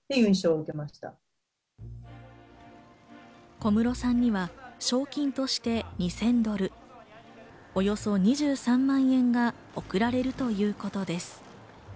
小室さんには賞金として２０００ドル、およそ２３万円が贈られるということです。